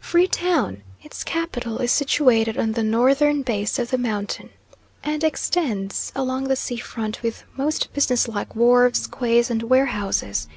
Free Town its capital is situated on the northern base of the mountain, and extends along the sea front with most business like wharves, quays, and warehouses.